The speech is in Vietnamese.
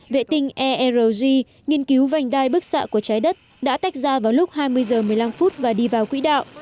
vệ tinh erg đã tách ra vào lúc hai mươi giờ một mươi năm phút và đi vào quỹ đạo